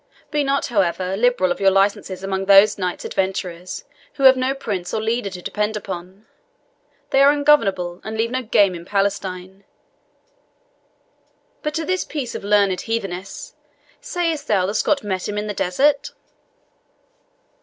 Be not, however, liberal of your licenses among those knights adventurers who have no prince or leader to depend upon; they are ungovernable, and leave no game in Palestine. But to this piece of learned heathenesse sayest thou the Scot met him in the desert?"